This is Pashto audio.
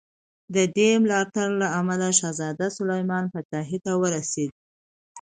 د دې ملاتړ له امله شهزاده سلیمان پاچاهي ته ورسېد.